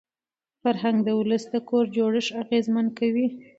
فرهنګ د ولس د کور جوړښت اغېزمن کوي.